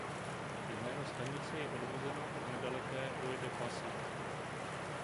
Jméno stanice je odvozeno od nedaleké "Rue de Passy".